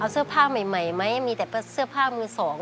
เสื้อผ้าใหม่ไหมมีแต่เสื้อผ้ามือสอง